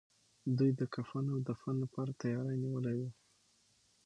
دوی د کفن او دفن لپاره تياری نيولی و.